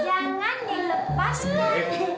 pak iman ini pak pejuara